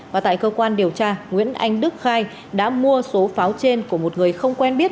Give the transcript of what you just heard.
và tại cơ quan điều tra nguyễn anh đức khai đã mua số pháo trên của một người không quen biết